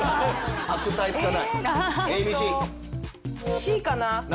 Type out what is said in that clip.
Ｃかな？